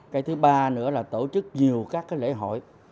cái thứ ba nữa là tổ chức nhiều các cái lễ hội